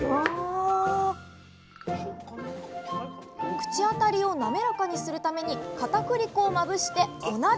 口当たりを滑らかにするためにかたくり粉をまぶしてお鍋にイン！